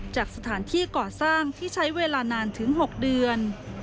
จากสถานที่ก่อสร้างที่ใช้เวลานานถึง๖เดือน